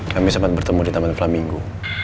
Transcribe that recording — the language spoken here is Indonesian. kami sempat bertemu di taman pramigo